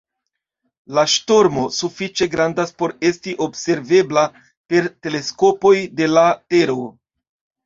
La ŝtormo sufiĉe grandas por esti observebla per teleskopoj de la Tero.